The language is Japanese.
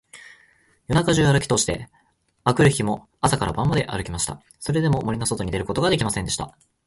夜中じゅうあるきとおして、あくる日も朝から晩まであるきました。それでも、森のそとに出ることができませんでした。